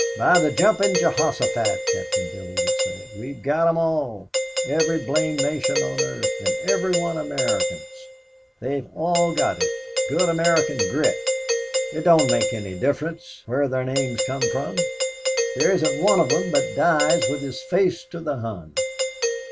"By the Jumping Jehoshaphat," Captain Billy would say, "we've got them all every blamed nation on earth and every one Americans. They have all got it good American grit. It don't make any difference where their names come from, there isn't one of them but dies with his face to the Hun."